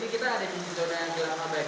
ini kita ada di zona gelap abadi